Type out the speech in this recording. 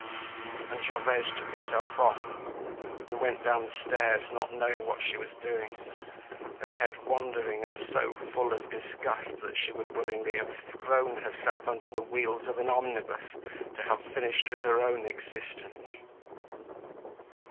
And Gervaise took herself off, and went down the stairs, not knowing what she was doing, her head wandering and so full of disgust that she would willingly have thrown herself under the wheels of an omnibus to have finished with her own existence.